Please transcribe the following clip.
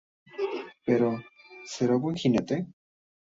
Pero, ¿será buen jinete?